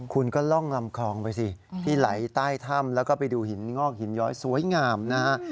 คุณก็ล่องลำคลองไปสิที่ไหลใต้ถ้ำแล้วก็ไปดูหินงอกหินย้อยสวยงามนะฮะ